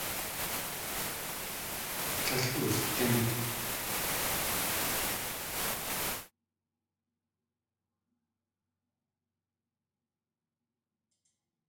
Tlél ooltín.